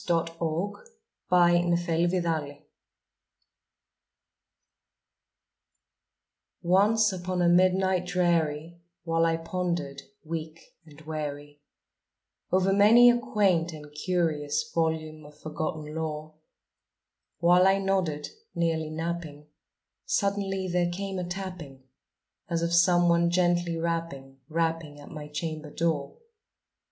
Edgar Allan Poe The Raven ONCE upon a midnight dreary, while I pondered weak and weary, Over many a quaint and curious volume of forgotten lore, While I nodded, nearly napping, suddenly there came a tapping, As of some one gently rapping, rapping at my chamber door.